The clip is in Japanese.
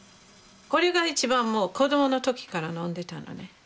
これが一番子供の時から飲んでたのね。